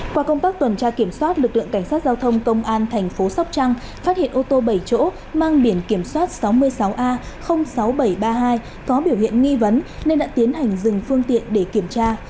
qua công tác tuần tra kiểm soát lực lượng cảnh sát giao thông công an thành phố sóc trăng phát hiện ô tô bảy chỗ mang biển kiểm soát sáu mươi sáu a sáu nghìn bảy trăm ba mươi hai có biểu hiện nghi vấn nên đã tiến hành dừng phương tiện để kiểm tra